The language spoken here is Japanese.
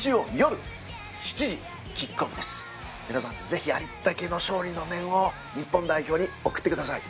ぜひありったけの勝利の念を日本代表に送ってください。